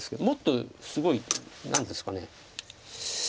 もっとすごい何ですか。